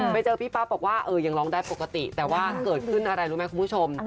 ไปเจอพี่ปั๊บบอกว่าเออยังร้องได้ปกติแต่ว่าเกิดขึ้นอะไรรู้ไหมคุณผู้ชม